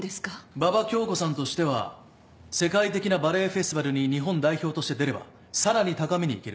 馬場恭子さんとしては世界的なバレエフェスティバルに日本代表として出ればさらに高みにいける。